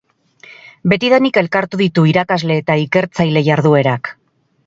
Betidanik elkartu ditu irakasle eta ikertzaile jarduerak.